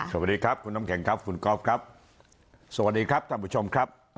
สวัสดีครับคุณน้ำแข็งครับคุณก๊อฟครับสวัสดีครับท่านผู้ชมครับ